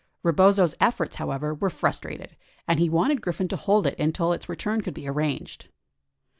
Rebozo's efforts, however, were frustrated, and he wanted Griffin to hold it until its return could be arranged.